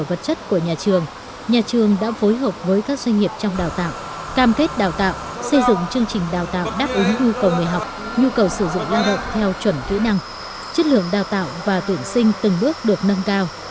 cơ sở vật chất của nhà trường nhà trường đã phối hợp với các doanh nghiệp trong đào tạo cam kết đào tạo xây dựng chương trình đào tạo đáp ứng nhu cầu người học nhu cầu sử dụng lao động theo chuẩn kỹ năng chất lượng đào tạo và tuyển sinh từng bước được nâng cao